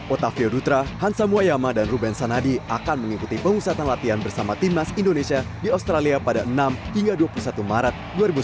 otavio dutra hansa muayama dan ruben sanadi akan mengikuti pengusatan latihan bersama timnas indonesia di australia pada enam hingga dua puluh satu maret dua ribu sembilan belas